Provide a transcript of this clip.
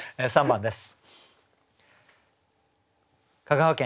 ３番です。